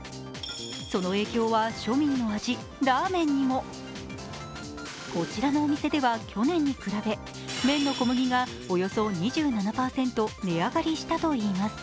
その影響は庶民の味・ラーメンにもこちらのお店では去年に比べ麺の小麦がおよそ２７％値上がりしたといいます。